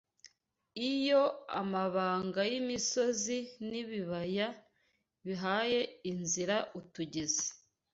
Iyo amabanga y’imisozi n’ibabaya bihaye inzira utugezi